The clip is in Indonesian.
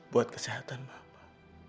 buat kesehatan mama